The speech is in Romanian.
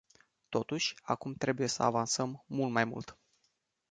Totuși, acum trebuie să avansăm mult mai mult.